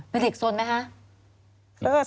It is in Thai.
เป็นเด็กสนไหมคะ